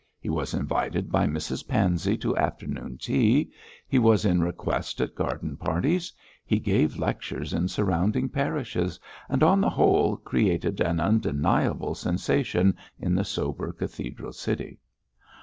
He was invited by Mrs Pansey to afternoon tea; he was in request at garden parties; he gave lectures in surrounding parishes, and, on the whole, created an undeniable sensation in the sober cathedral city.